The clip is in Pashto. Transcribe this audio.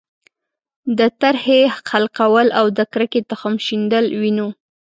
د ترهې خلقول او د کرکې تخم شیندل وینو.